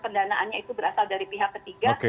pendanaannya itu berasal dari pihak ketiga